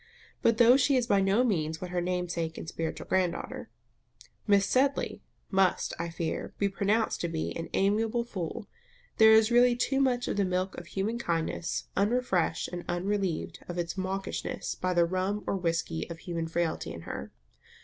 But though she is by no means what her namesake and spiritual grand daughter. Miss Sedley, must, I fear, be pronounced to be, an amiable fool, there is really too much of the milk of human kindness, unrefreshed and unrelieved of its mawkishness by the rum or whisky of human frailty, in her.